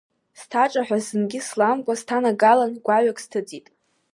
Иҭаҿаҳәа зынгьы сламгәа, сҭанагалан, гәаҩак сҭысит.